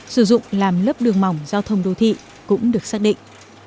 sử dụng làm lớp đường mỏng giao thông đô thị cũng được xác định